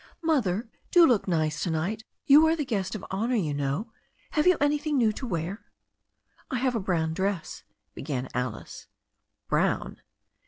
"Mother, do look nice to night. You are the guest of honour, you know. Have you anjrthing new to wear?" "I have a brown dress," began Alice. "Brown!"